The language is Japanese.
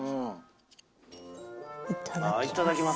いただきます。